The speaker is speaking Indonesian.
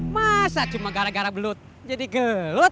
masa cuma gara gara belut jadi gelut